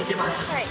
はい。